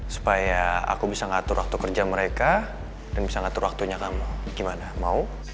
supaya aku bisa ngatur waktu kerja mereka dan bisa ngatur waktunya kamu gimana mau